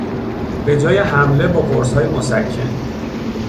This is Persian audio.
به جای حمله با قرصهای مُسَکّن